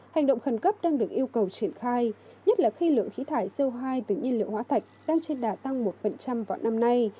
hành động khẩn cấp đang được yêu cầu triển khai nhất là khi lượng khí thải co hai từ nhiên liệu hóa thạch đang trên đà tăng một vào năm nay